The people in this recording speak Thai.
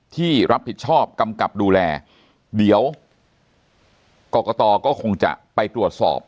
ที่รับผิดชอบกำกับดูแลเดี๋ยวกรกตก็คงจะไปตรวจสอบ